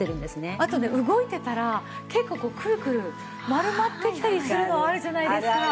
あとね動いてたら結構クルクル丸まってきたりするのあるじゃないですか。